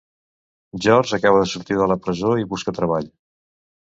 George acaba de sortir de la presó i busca treball.